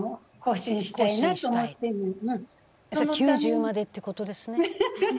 それ９０までっていうことですね。